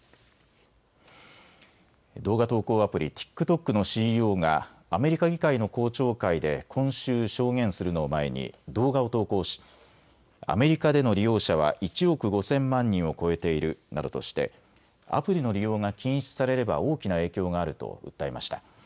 動画投稿アプリ、ＴｉｋＴｏｋのＣＥＯがアメリカ議会の公聴会で今週、証言するのを前に動画を投稿しアメリカでの利用者は１億５０００万人を超えているなどとしてアプリの利用が禁止されれば大きな影響があると訴えました。